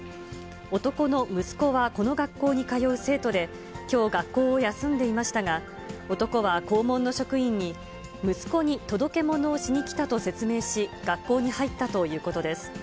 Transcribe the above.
男の息子はこの学校に通う生徒で、きょう学校を休んでいましたが、男は校門の職員に、息子に届け物をしに来たと説明し、学校に入ったということです。